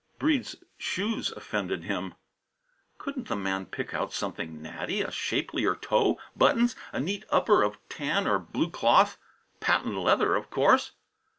Breede's shoes offended him. Couldn't the man pick out something natty, a shapelier toe, buttons, a neat upper of tan or blue cloth patent leather, of course?